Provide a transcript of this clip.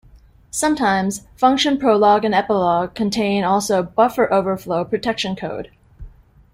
Sometimes, function prologue and epilogue contain also buffer overflow protection code.